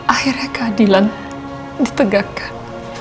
akhirnya keadilan ditegakkan